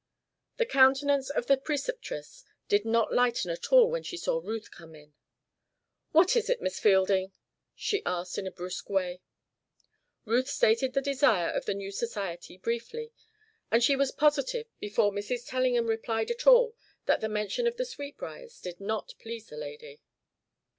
The countenance of the Preceptress did not lighten at all when she saw Ruth come in. "What is it, Miss Fielding?" she asked in her brusque way. Ruth stated the desire of the new society briefly, and she was positive before Mrs. Tellingham replied at all that the mention of the Sweetbriars did not please the lady.